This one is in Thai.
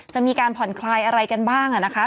จะมีการผ่อนคลายอะไรกันบ้างนะคะ